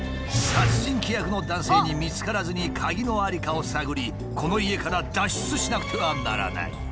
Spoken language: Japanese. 殺人鬼役の男性に見つからずに鍵の在りかを探りこの家から脱出しなくてはならない。